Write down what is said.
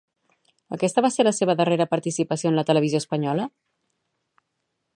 Aquesta va ser la seva darrera participació en la televisió espanyola?